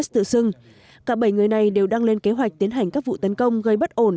s tựng cả bảy người này đều đang lên kế hoạch tiến hành các vụ tấn công gây bất ổn